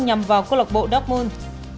nhằm vào cô lọc bộ dortmund